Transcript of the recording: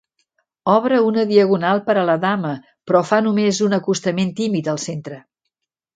Obre una diagonal per a la dama, però fa només un acostament tímid al centre.